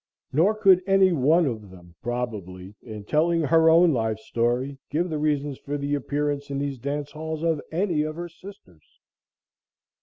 Nor could any one of them probably, in telling her own life story, give the reasons for the appearance in these dance halls of any of her sisters.